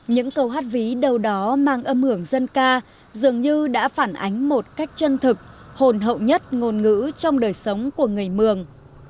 những câu hát ví đâu đó mang âm hưởng dân ca dường như đã phản ánh một cách chân thực hồn hậu nhất ngôn ngữ trong đời sống của người mường